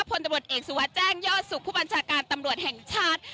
พลตบรอดเอกสุธวเจ้งยอดสุขผู้บัญชาการตำหลวดแห่งชาติ